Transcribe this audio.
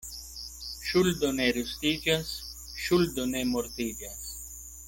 Ŝuldo ne rustiĝas, ŝuldo ne mortiĝas.